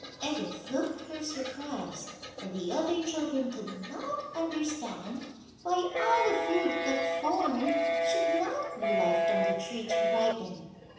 Edith looked her surprise, and the other children could not understand why all the fruit that formed should not be left on the tree to ripen.